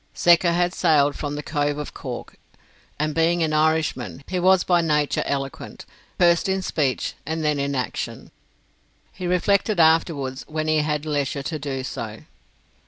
Secker had sailed from the Cove of Cork, and being an Irishman, he was by nature eloquent, first in speech, and first in action. He reflected afterwards, when he had leisure to do so.